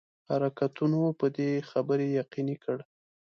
حرکتونو په دې خبري یقیني کړ.